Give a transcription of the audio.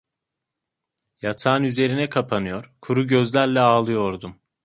Yatağın üzerine kapanıyor, kuru gözlerle ağlıyordum…